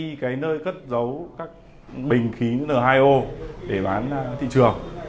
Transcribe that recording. đi cái nơi cất giấu các bình khí n hai o để bán thị trường